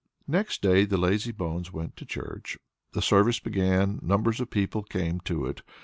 Next day the lazybones went to church. The service began, numbers of people came to it.